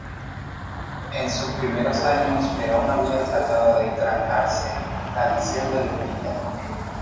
En sus primeros años Perón había tratado de granjearse la adhesión de los militares.